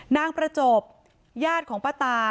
นางประจบญาติของป้าตา